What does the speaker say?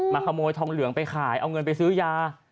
ขโมยทองเหลืองไปขายเอาเงินไปซื้อยา